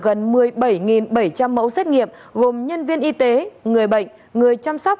gần một mươi bảy bảy trăm linh mẫu xét nghiệm gồm nhân viên y tế người bệnh người chăm sóc